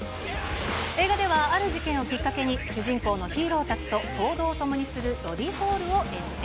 映画ではある事件をきっかけに、主人公のヒーローたちと行動を共にする、ロディ・ソウルを演じて